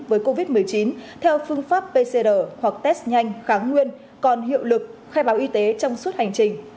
với covid một mươi chín theo phương pháp pcr hoặc test nhanh kháng nguyên còn hiệu lực khai báo y tế trong suốt hành trình